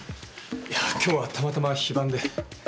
いやぁ今日はたまたま非番で。